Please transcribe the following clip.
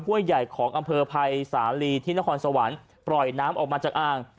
้วยใหญ่ของอำเภอภัยสาลีที่นครสวรรค์ปล่อยน้ำออกมาจากอ่าง